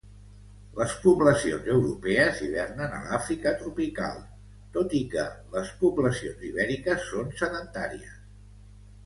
Les poblacions europees hivernen a l'Àfrica tropical, tot i que les poblacions ibèriques són sedentàries.